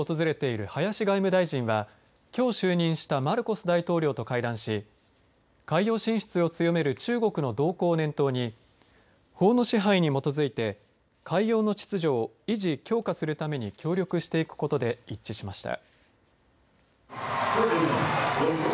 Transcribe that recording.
フィリピンを訪れている林外務大臣は、きょう就任したマルコス大統領と会談し海洋進出を強める中国の動向を念頭に法の支配に基づいて海洋の秩序を維持・強化するために協力していくことで一致しました。